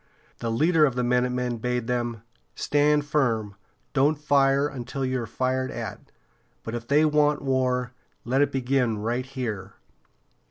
The leader of the minutemen bade them "Stand firm! Don't fire until you are fired at. But if they want war, let it begin right here."